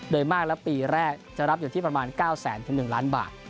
โดยมากละปีแรกจะรับอยู่ที่ประมาณ๙๑๑๐๐๐บาท